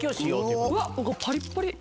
うわパリッパリ。